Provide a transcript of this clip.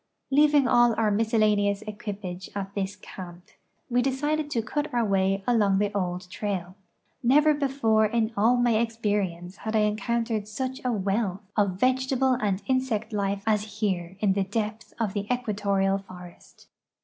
Leaving all our miscellaneous equipage at this camp, we decided to cut our way along the old trail. Never bolbn' in all my experience had I encountered such a wealth of vegetable 244 A JOURXEY IX ECUADOR and insect life as here in the depth of the equatorial forest.